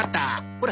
ほら。